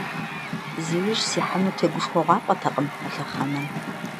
Зи ужь сихьэнур тегушхуэгъуафӀэтэкъым а лъэхъэнэм.